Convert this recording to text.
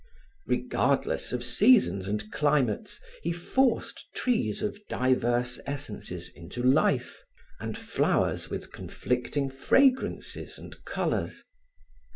Regardless of seasons and climates he forced trees of diverse essences into life, and flowers with conflicting fragrances and colors.